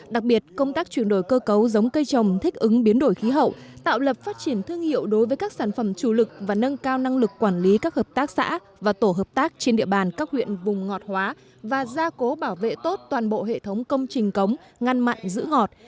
đặc biệt công tác chuyển đổi cơ cấu giống cây trồng thích ứng biến đổi khí hậu tạo lập phát triển thương hiệu đối với các sản phẩm chủ lực và nâng cao năng lực quản lý các hợp tác xã và tổ hợp tác trên địa bàn các huyện vùng ngọt hóa và gia cố bảo vệ tốt toàn bộ hệ thống công trình cống ngăn mặn giữ ngọt